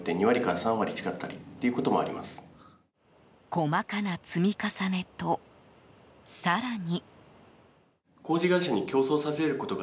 細かな積み重ねと、更に。